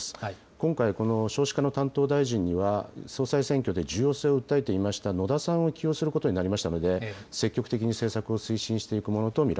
今回、この少子化の担当大臣には、総裁選挙で重要性を訴えていました野田さんを起用することになりましたので、積極的に政策を推進